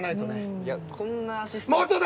いやこんなアシスタント。